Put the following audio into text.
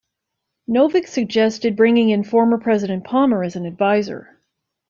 Novick suggested bringing in former President Palmer as an advisor.